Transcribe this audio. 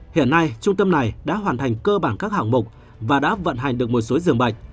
hiện nay trung tâm này đã hoàn thành cơ bản các hạng mục và đã vận hành được một số giường bệnh